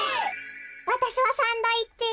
わたしはサンドイッチ。